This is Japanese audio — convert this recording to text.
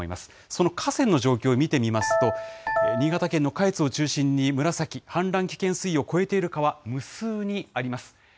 その河川の状況を見てみますと、新潟県の下越を中心に紫、氾濫危険水位を超えている川、無数にあります。